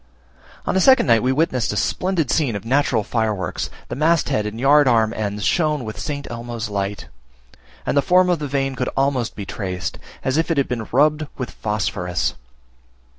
On a second night we witnessed a splendid scene of natural fireworks; the mast head and yard arm ends shone with St. Elmo's light; and the form of the vane could almost be traced, as if it had been rubbed with phosphorus.